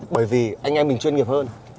bởi vì anh em mình chuyên nghiệp hơn